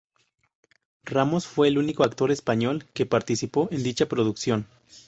Ramos fue el único actor español que participó en dicha producción.